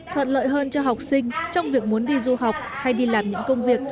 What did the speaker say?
thuận lợi hơn cho học sinh trong việc muốn đi du học hay đi làm những công việc